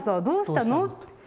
どうしたのと。